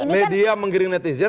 media menggiring netizen